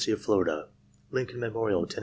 of Florida Dncoln Memorial, Tenn